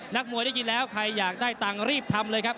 นักมวยได้ยินแล้วใครอยากได้ตังค์รีบทำเลยครับ